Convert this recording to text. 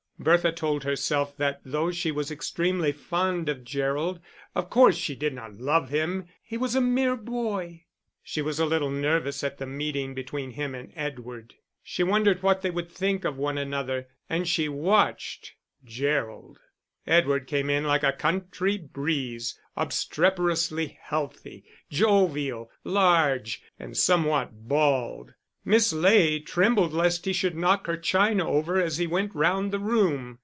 Bertha told herself that though she was extremely fond of Gerald, of course she did not love him; he was a mere boy! She was a little nervous at the meeting between him and Edward; she wondered what they would think of one another, and she watched Gerald! Edward came in like a country breeze, obstreperously healthy, jovial, large, and somewhat bald. Miss Ley trembled lest he should knock her china over as he went round the room.